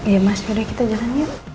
yaudah kita jalan yuk